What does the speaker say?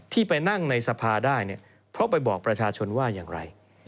ไปนั่งในสภาได้เพราะไปบอกประชาชนว่าอย่างไร